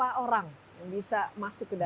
berapa orang yang bisa masuk ke dalam